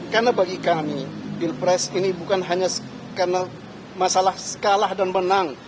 karena bagi kami pilpres ini bukan hanya karena masalah kalah dan menang